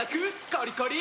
コリコリ！